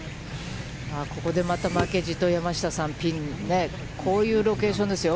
ここでまた、負けじと山下さん、ピン、こういうロケーションですよ。